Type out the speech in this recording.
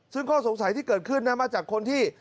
ซึ่งข้อสงสัยที่เกิดขึ้นนะมาจากคนที่